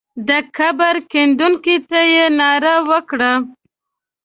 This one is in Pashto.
د قبر کیندونکو ته یې ناره وکړه.